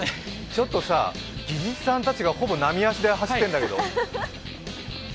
ちょっと、技術さんたちがほぼ並足で走ってるんだけど。